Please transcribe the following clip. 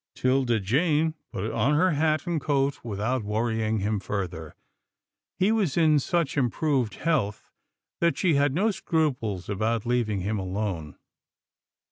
'Tilda Jane put on her hat and coat without worrying him further. He was in such improved health, that she had no scruples about leaving him alone.